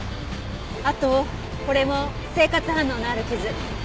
あとこれも生活反応のある傷。